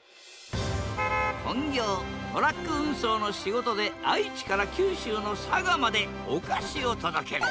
本業トラック運送の仕事で愛知から九州の佐賀までお菓子を届ける。